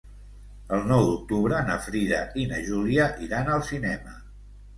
El nou d'octubre na Frida i na Júlia iran al cinema.